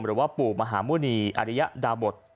หรือว่าปู่มหาหมุณีอริยดาบท